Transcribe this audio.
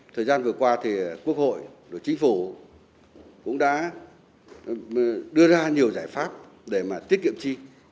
thời gian vừa qua thì quốc hội và chính phủ cũng đã đưa ra nhiều giải pháp để mà tiết kiệm chi